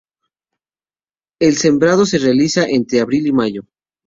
El sembrado se realiza entre abril y mayo.